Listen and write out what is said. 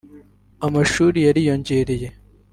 amashuri yariyongereye